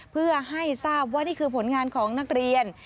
เพื่อให้ทราบว่านี่คือผลงานของนักเรียน